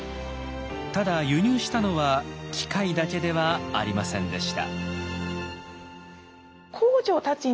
ただ輸入したのは機械だけではありませんでした。